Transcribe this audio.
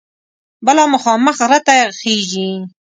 بله مخامخ غره ته خیژي.